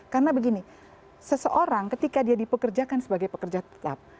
karena begini seseorang ketika dia dipekerjakan sebagai pekerja tetap